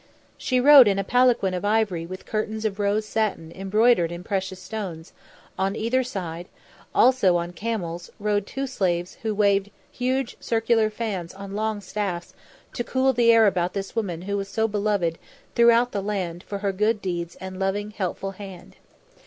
She rode in a palanquin of ivory with curtains of rose satin embroidered in precious stones; on either side, also on camels, rode two slaves who waved huge circular fans on long staffs to cool the air about this woman who was so beloved throughout the land for her good deeds and loving, helping hand.